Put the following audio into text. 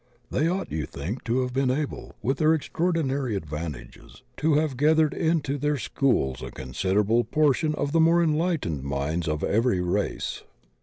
They ought, you think, to have been able, with their extraordinary advantages, to have gathered into their schools a con siderable portion of the more enlightened minds of every race.